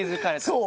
そう。